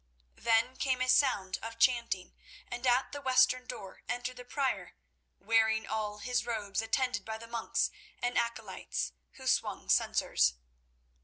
Then came a sound of chanting, and at the western door entered the Prior, wearing all his robes, attended by the monks and acolytes, who swung censers.